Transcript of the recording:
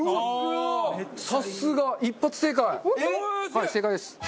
はい正解です。